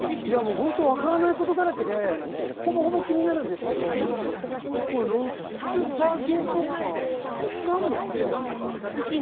ほんと分からないことだらけで、ほぼほぼ気になるんですけど、ロスバゲとか、何のことなんでしょう？